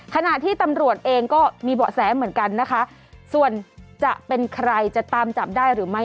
ขณะที่ตำรวจเองก็มีเบาะแสเหมือนกันนะคะส่วนจะเป็นใครจะตามจับได้หรือไม่